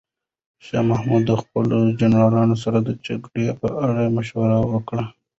شاه محمود د خپلو جنرالانو سره د جګړې په اړه مشوره وکړه.